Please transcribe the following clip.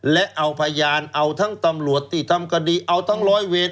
และเอาพยานเอาทั้งตำรวจที่ทำคดีเอาทั้งร้อยเวร